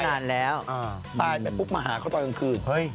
ตายแบบปุ๊บมาหาเขาตอนกลางคืน